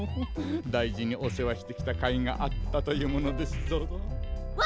だいじにおせわしてきたかいがあったというものですゾン。わ！